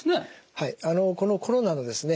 はいこのコロナのですね